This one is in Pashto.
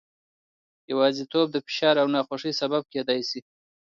یوازیتوب د فشار او ناخوښۍ سبب کېدای شي.